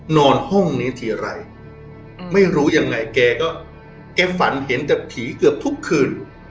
นอนห้องนี้ทีไรไม่รู้ยังไงแกก็แกฝันเห็นแต่ผีเกือบทุกคืน